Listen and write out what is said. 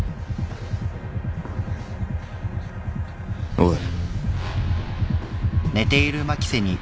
おい。